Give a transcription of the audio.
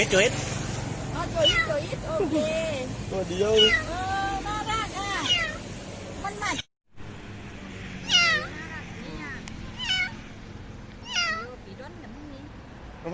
หลังจากสมุทรและจุภาพ